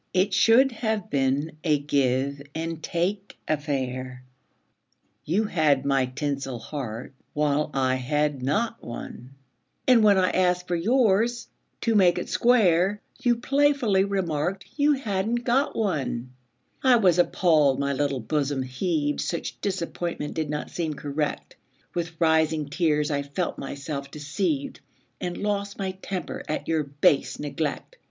It should have been a give and take affair; You had my tinsel heart, while I had not one, And when I asked for yours, to make it square, You playfully remarked you hadn't got one. 26 A VALENTINE I was appalled my little bosom heaved Such disappointment did not seem correct. With rising tears I felt myself deceived And lost my temper at your base neglect.